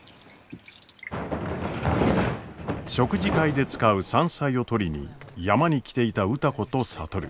食事会で使う山菜を採りに山に来ていた歌子と智。